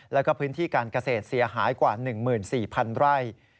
แล้วก็พื้นที่การเกษตรเสียหายกว่า๑๔๐๐๐ไร่